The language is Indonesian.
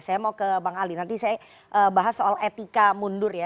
saya mau ke bang ali nanti saya bahas soal etika mundur ya